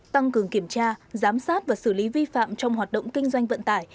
tăng cường kiểm tra giám sát và xử lý vi phạm trong hoạt động kinh doanh vận tải